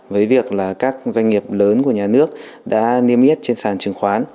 với việc là các doanh nghiệp lớn của nhà nước đã niêm yết trên sàn chứng khoán